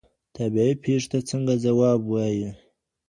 طبيعي پیښو ته څنګه ځواب وایي؟